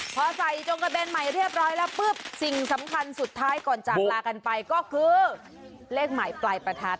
พอใส่จงกระเบนใหม่เรียบร้อยแล้วปุ๊บสิ่งสำคัญสุดท้ายก่อนจากลากันไปก็คือเลขหมายปลายประทัด